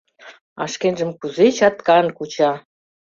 А шкенжым кузе чаткан куча!